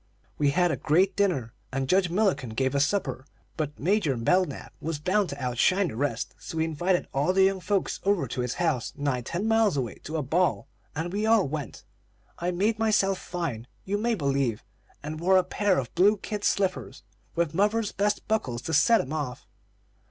We had a great dinner, and Judge Mullikin gave a supper; but Major Belknap was bound to outshine the rest, so he invited all the young folks over to his house, nigh ten miles away, to a ball, and we all went. I made myself fine, you may believe, and wore a pair of blue kid slippers, with mother's best buckles to set 'em off.